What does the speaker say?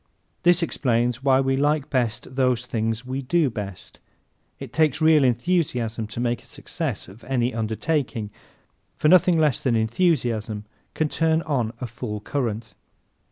This explains why we like best those things we do best. It takes real enthusiasm to make a success of any undertaking for nothing less than enthusiasm can turn on a full current.